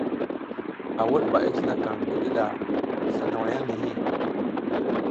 A wuɗ ɓa i jinikaƞ ngi ɗiɗa sla nawaya nihi.